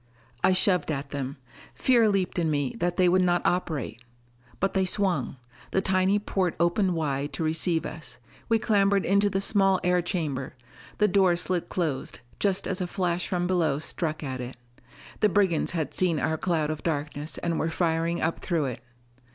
I shoved at them. Fear leaped in me that they would not operate. But they swung. The tiny port opened wide to receive us. We clambered into the small air chamber; the door slid closed, just as a flash from below struck at it. The brigands had seen our cloud of darkness and were firing up through it.